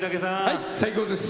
最高です！